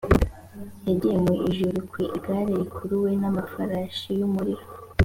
yagiye mu ijuru ku igare rikuruwe n’ amafarashi y’umuliro